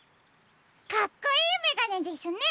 かっこいいめがねですね。